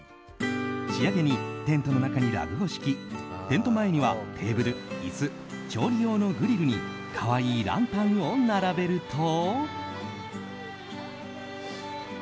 仕上げにテントの中にラグを敷きテント前にはテーブル、椅子調理用のグリルに可愛いランタンを並べると。